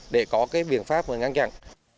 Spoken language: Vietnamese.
để có cái biện pháp ngăn chặn